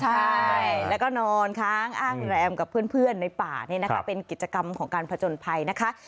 ใช่แล้วก็นอนค้างอ้างแรมกับเพื่อนในป่านี่นะคะเป็นกิจกรรมของการผจญภัยนะคะ